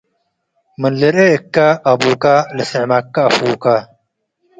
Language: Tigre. ምን ልርኤ እካ፡ አቡከ ልስዕመከ አፉከ።